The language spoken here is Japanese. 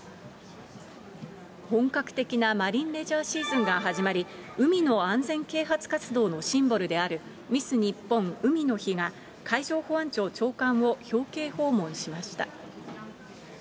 本格的なマリンレジャーシーズンが始まり、海の安全啓発活動のシンボルである、ミス日本海の日が、海上保安庁長官を表敬訪問しました。